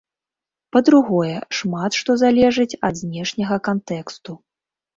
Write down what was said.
Па-другое, шмат што залежыць ад знешняга кантэксту.